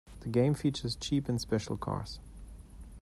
The game features cheap and special cars.